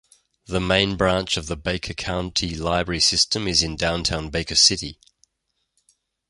The main branch of the Baker County Library system is in downtown Baker City.